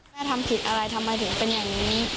ทำผิดอะไรทำไมถึงเป็นอย่างนี้